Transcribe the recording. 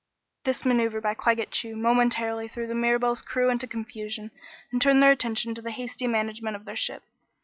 This maneuver by Claggett Chew momentarily threw the Mirabelle's crew into confusion and turned their attention to the hasty management of their ship.